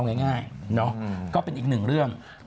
เอาง่ายนะก็เป็นอีก๑เรื่อง